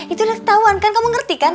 itu adalah ketahuan kan kamu ngerti kan